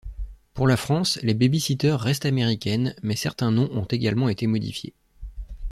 Pour la France, les Baby-Sitters restent américaines, mais certains noms ont également été modifiés.